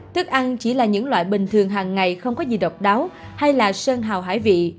thức ăn chỉ là những loại bình thường hàng ngày không có gì độc đáo hay là sơn hào hải vị